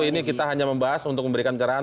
ini kita hanya membahas untuk memberikan kerahan